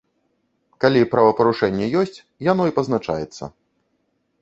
Калі правапарушэнне ёсць, яно і пазначаецца.